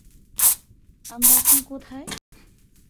আমরা এখন কোথায়?